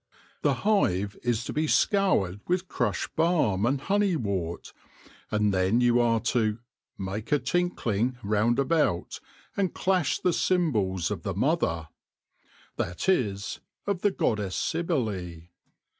The hive is to be scoured with crushed balm and honey wort, and then you are to " make a tinkling round about, and clash the cymbals of the Mother "— that is, of the goddess Cybele.